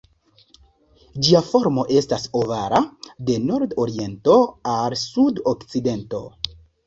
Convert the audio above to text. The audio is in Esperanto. Ĝia formo estas ovala, de nord-oriento al sud-okcidento.